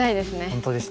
本当ですね。